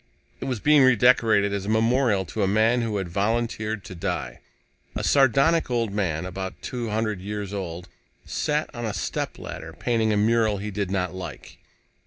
It was being redecorated as a memorial to a man who had volunteered to die. A sardonic old man, about two hundred years old, sat on a stepladder, painting a mural he did not like.